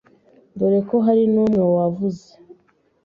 dore ko hari n’umwe wavuze